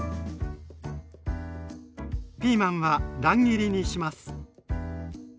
ピーマンは乱切りにします。